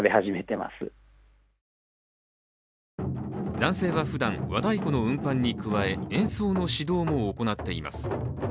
男性はふだん、和太鼓の運搬に加え演奏の指導も行っています。